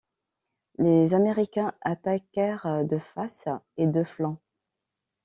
Les Américains attaquèrent de face et de flanc.